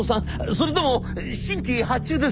それとも新規発注ですか？」。